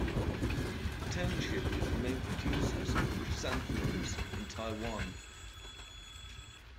The township is the main producer of chrysanthemums in Taiwan.